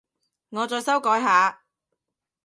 我再修改下